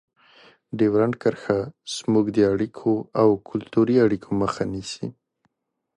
ډیورنډ کرښه زموږ د اړیکو او کلتوري اړیکو مخه نیسي.